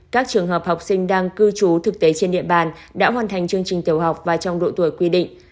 các trường hợp học sinh đang cư trú thực tế trên địa bàn đã hoàn thành chương trình tiểu học và trong độ tuổi quy định